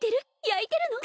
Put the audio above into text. やいてるの？